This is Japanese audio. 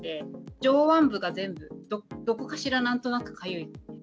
上腕部が全部どこかしらなんとなくかゆい。